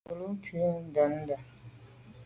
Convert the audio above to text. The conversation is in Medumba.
Nkelô ku’ ndende.